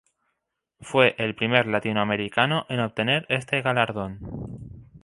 Fue el primer latinoamericano en obtener este galardón.